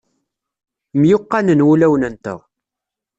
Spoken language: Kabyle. Myuqqanen wulawen-nteɣ.